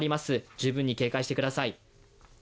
十分に警戒してください。